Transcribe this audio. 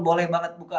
boleh banget buka